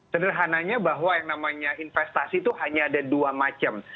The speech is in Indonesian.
sederhananya bahwa yang namanya investasi itu hanya ada dua macam